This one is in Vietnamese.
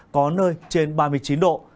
có nơi trên ba mươi chín độ